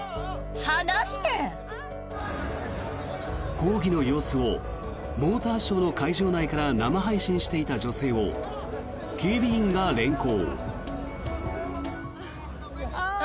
抗議の様子をモーターショーの会場内から生配信していた女性を警備員が連行。